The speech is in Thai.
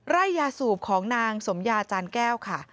ไร่ยาสูบของนางสมยาจานแก้วค่ะ